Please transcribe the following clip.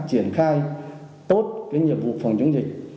triển khai tốt cái nhiệm vụ phòng chống dịch